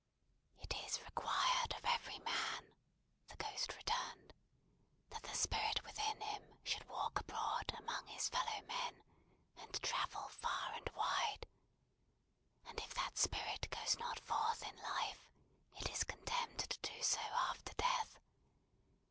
"It is required of every man," the Ghost returned, "that the spirit within him should walk abroad among his fellowmen, and travel far and wide; and if that spirit goes not forth in life, it is condemned to do so after death.